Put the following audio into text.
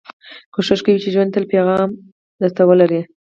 کوښښ کوئ، چي ژوند تل پیغام در ته ولري.